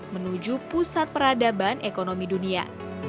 menuju pusat peradaban ekonomi dunia